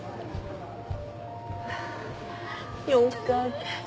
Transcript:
よかった。